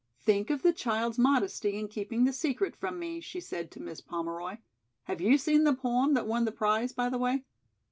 "Think of the child's modesty in keeping the secret from me," she said to Miss Pomeroy. "Have you seen the poem that won the prize, by the way?"